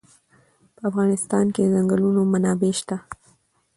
په افغانستان کې د چنګلونه منابع شته.